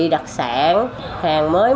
đặc sản hàng mới